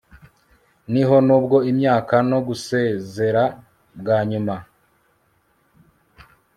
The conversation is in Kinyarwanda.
Niho nubwo imyaka no gusezera bwa nyuma